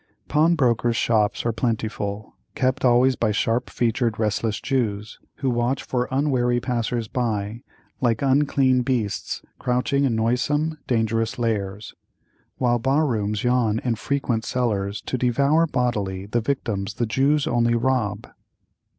Pawnbrokers' shops are plentiful, kept always by sharp featured restless Jews, who watch for unwary passers by like unclean beasts crouching in noisome, dangerous lairs; while bar rooms yawn in frequent cellars to devour bodily the victims the Jews only rob.